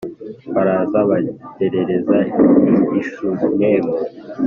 baraza bagerereza i shunemu